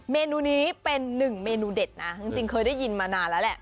เมนูนี้เป็นหนึ่งเมนูเด็ดนะจริงเคยได้ยินมานานแล้วแหละ